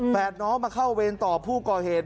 น้องมาเข้าเวรต่อผู้ก่อเหตุ